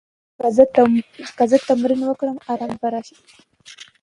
که زه تمرین وکړم، ارامتیا به راشي.